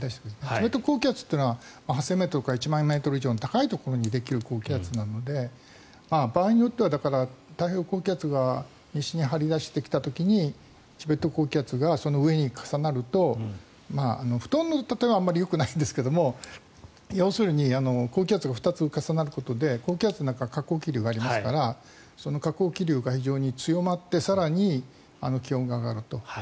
チベット高気圧というのは８０００ｍから１万メートルの高いところにできる高気圧なので場合によっては太平洋高気圧が西に張り出してきた時にチベット高気圧がその上に重なると布団のたとえはあまりよくないんですが要するに高気圧が２つ重なることで高気圧の中は下降気流がありますから下降気流が非常に強まって更に気温が上がると。